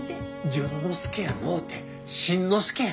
純之助やのうて新之助や！